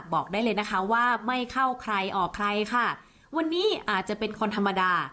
บอกได้เลยนะคะว่าไม่เข้าใครออกใครค่ะวันนี้อาจจะเป็นคนธรรมดา